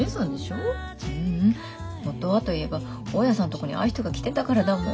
ううん元はと言えば大家さんとこにああいう人が来てたからだもん。